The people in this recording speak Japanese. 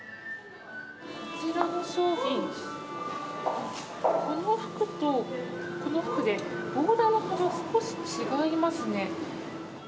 こちらの商品この服と、この服でボーダーが少し違いますね。